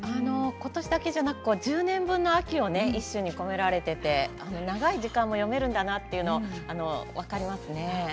今年だけではなく１０年分の秋を一首に込められていて長い時間詠めるんだなと分かりますね。